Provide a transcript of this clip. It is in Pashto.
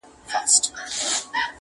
ټولنه خپل عيب نه مني تل,